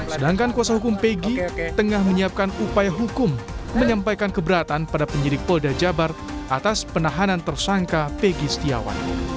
sedangkan kuasa hukum pegi tengah menyiapkan upaya hukum menyampaikan keberatan pada penyidik polda jabar atas penahanan tersangka pegi setiawan